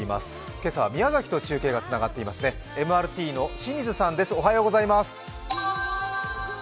今朝は宮崎と中継がつながっています、ＭＲＴの清水さんです。